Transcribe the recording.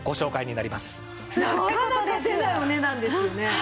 なかなか出ないお値段ですよね。